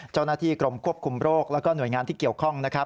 เจ้าหน้าที่กรมควบคุมโรคแล้วก็หน่วยงานที่เกี่ยวข้องนะครับ